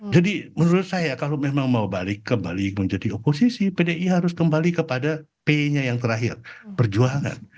menurut saya kalau memang mau balik kembali menjadi oposisi pdi harus kembali kepada p nya yang terakhir perjuangan